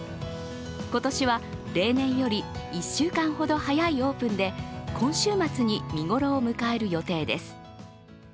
今年は例年より１週間ほど早いオープンで、今週末に見頃を迎える予定です。